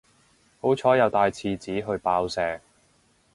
好彩有帶廁紙去爆石